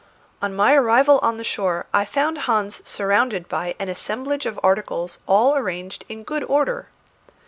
On my arrival on the shore I found Hans surrounded by an assemblage of articles all arranged in good order.